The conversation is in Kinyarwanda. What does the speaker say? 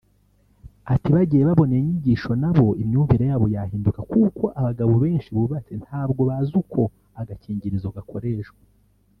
Ati “Bagiye babona inyigisho nabo imyumvire yabo yahinduka kuko abagabo benshi bubatse ntabwo bazi uko agakingirizo gakoreshwa